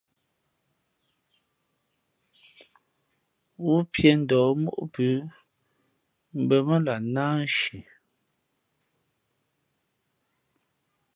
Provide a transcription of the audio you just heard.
Wúpíéndα̌h móʼ pʉ̌ mbᾱ mά lah nāānshi.